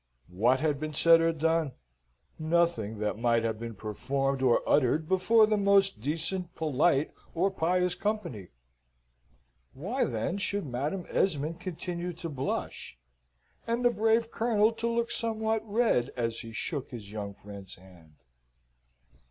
What had been said or done? Nothing that might not have been performed or uttered before the most decent, polite, or pious company. Why then should Madam Esmond continue to blush, and the brave Colonel to look somewhat red, as he shook his young friend's hand?